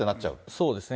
そうですね。